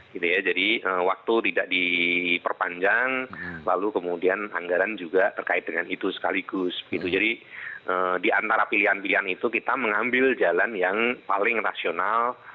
gitu ya jadi waktu tidak diperpanjang lalu kemudian anggaran juga terkait dengan itu sekaligus jadi diantara pilihan pilihan itu kita mengambil jalan yang paling rasional